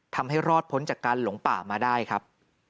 ทำให้รอดพ้นจากการหลงป่ามาได้ครับ